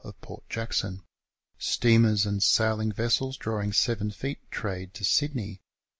of Port Jackson. Steamers and sailing vessels drawing 7 feet trade to Sydney.